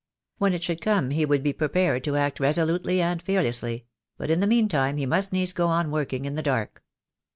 When it should come he would be prepared to act resolutely and fearlessly; but in the meantime he must needs go on working in the dark.